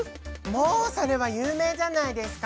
もうそれは有名じゃないですか！